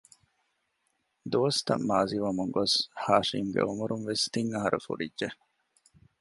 ދުވަސްތައް މާޒީވަމުންގޮސް ހާޝިމްގެ އުމުރުންވެސް ތިން އަހަރު ފުރިއްޖެ